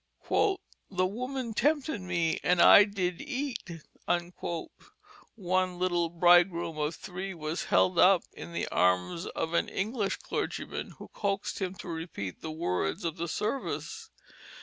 "The woman tempted me and I did eat." One little bridegroom of three was held up in the arms of an English clergyman, who coaxed him to repeat the words of the service.